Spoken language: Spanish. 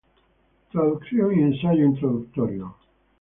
Traducción y ensayo introductorio.